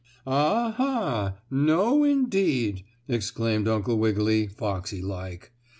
"Ah, ha! No, indeed!" exclaimed Uncle Wiggily, foxy like.